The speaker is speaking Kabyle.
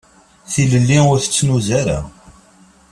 Tilelli ur tettnuz ara.